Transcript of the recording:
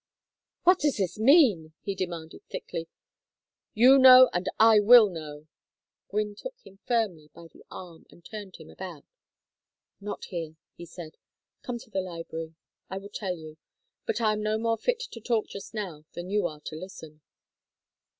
"What does this mean?" he demanded, thickly. "You know and I will know." Gwynne took him firmly by the arm and turned him about. "Not here," he said. "Come to the library. I will tell you, but I am no more fit to talk just now than you are to listen."